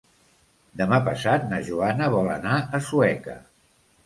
Demà passat na Joana vol anar a Sueca.